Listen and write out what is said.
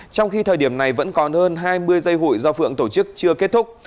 trong khi thời điểm này vẫn còn hơn hai mươi dây hụi do phượng tổ chức chưa kết thúc